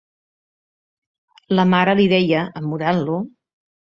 La mare li deia, amorant-lo,...